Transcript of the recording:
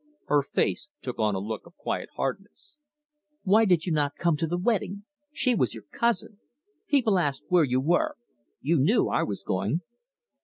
Her face took on a look of quiet hardness. "Why did you not come to the wedding? She was your cousin. People asked where you were. You knew I was going."